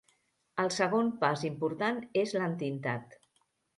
El segon pas important és l'entintat.